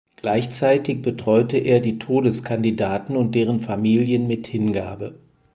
Gleichzeitig betreute er die Todeskandidaten und deren Familien mit Hingabe.